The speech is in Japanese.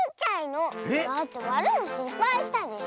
だってわるのしっぱいしたでしょ？